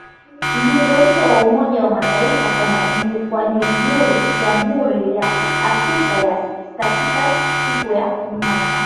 Mjumbe mpya wa Umoja wa mataifa kwa Jamhuri ya Afrika ya kati siku ya Jumatano